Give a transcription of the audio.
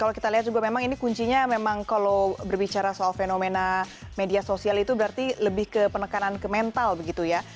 kalau kita lihat juga memang ini kuncinya memang kalau berbicara soal fenomena media sosial itu berarti lebih ke penekanan ke mental begitu ya